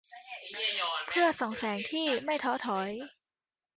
เพื่อส่องแสงที่ไม่ท้อถอย